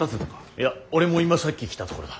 いや俺も今さっき来たところだ。